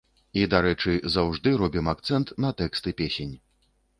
І, дарэчы, заўжды робім акцэнт на тэксты песень.